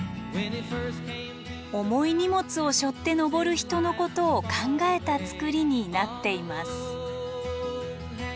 重い荷物を背負って登る人のことを考えた作りになっています。